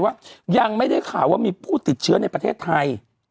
ว่ายังไม่ได้ข่าวว่ามีผู้ติดเชื้อในประเทศไทย